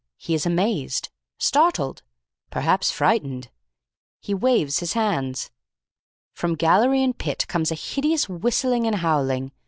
He is amazed. Startled. Perhaps frightened. He waves his hands. "From gallery and pit comes a hideous whistling and howling.